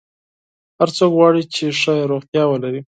هر څوک غواړي چې ښه روغتیا ولري.